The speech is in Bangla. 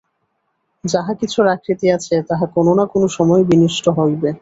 যাহা কিছুর আকৃতি আছে, তাহা কোন না কোন সময়ে বিনষ্ট হইবে।